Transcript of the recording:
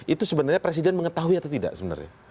itu sebenarnya presiden mengetahui atau tidak sebenarnya